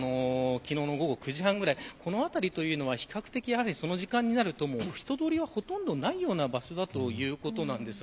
昨日の午後９時半ぐらいこの辺りというのは比較的その時間になると人通りはほとんどないような場所だということなんです。